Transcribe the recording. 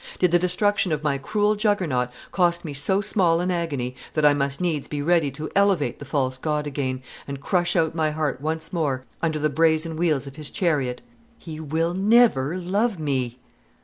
Did the destruction of my cruel Juggernaut cost me so small an agony that I must needs be ready to elevate the false god again, and crush out my heart once more under the brazen wheels of his chariot? _He will never love me!